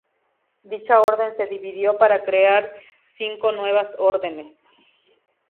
Dicha Orden se dividió para crear cinco nuevas órdenes.